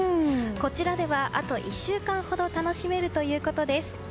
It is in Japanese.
こちらではあと１週間ほど楽しめるということです。